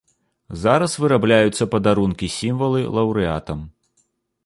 Зараз вырабляюцца падарункі-сімвалы лаўрэатам.